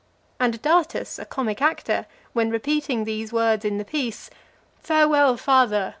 And Datus, a comic actor, when repeating these words in the piece, "Farewell, father!